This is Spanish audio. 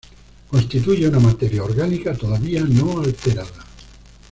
Constituye una materia orgánica todavía no alterada.